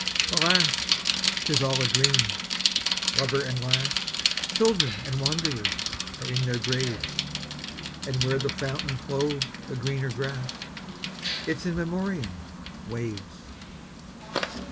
Alas! 't is all a dream. Lover and lass, Children and wanderers, are in their graves; And where the fountain flow'd a greener grass—Its In Memoriam—waves.